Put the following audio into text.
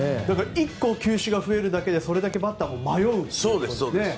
１個球種が増えるだけでそれだけでバッターも迷うってことですね。